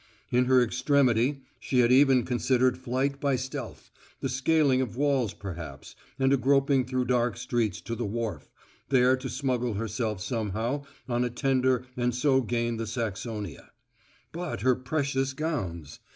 In her extremity she had even considered flight by stealth the scaling of walls perhaps, and a groping through dark streets to the wharf, there to smuggle herself somehow on a tender and so gain the Saxonia. But her precious gowns!